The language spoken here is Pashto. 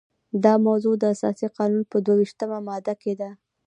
دا موضوع د اساسي قانون په دوه ویشتمه ماده کې ده.